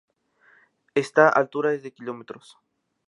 Esta altura es de kilómetros.